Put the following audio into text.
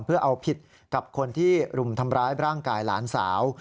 เพื่อเอาผิดกับคนที่รุมทำร้ายร่างกายหลานสาว